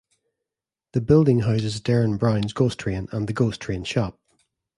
The building houses "Derren Brown's Ghost Train" and The Ghost Train Shop.